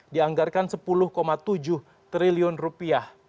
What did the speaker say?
dianggarkan sepuluh tujuh triliun rupiah